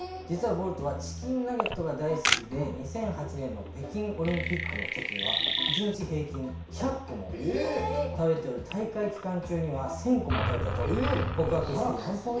じつはボルトはチキンナゲットが大好きで２００８年の北京オリンピックのときには１日へいきん１００個も食べており大会期間中には１，０００個も食べたと告白しています。